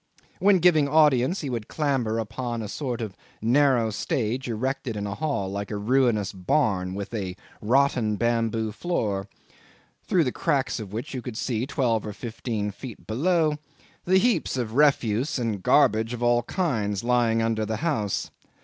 When giving audience he would clamber upon a sort of narrow stage erected in a hall like a ruinous barn with a rotten bamboo floor, through the cracks of which you could see, twelve or fifteen feet below, the heaps of refuse and garbage of all kinds lying under the house.